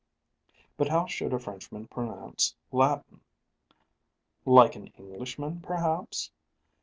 But how should a Frenchman pronounce Latin? like an Englishman, perhaps?